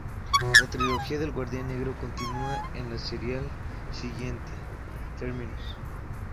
La trilogía del Guardián Negro continua en el serial siguiente, "Terminus".